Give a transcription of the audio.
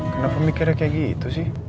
kenapa mikirnya kayak gitu sih